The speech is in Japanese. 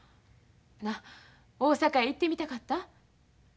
なあ大阪へ行ってみたかった？